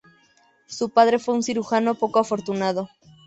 Su padre fue un cirujano poco afortunado.